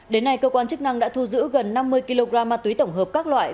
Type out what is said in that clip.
đến nay cơ quan chức năng đã thu giữ gần năm mươi kg ma túy tổng hợp các loại